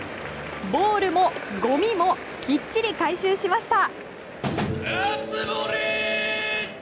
ボールも、ごみもきっちり回収しました。